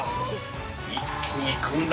一気にいくんだ。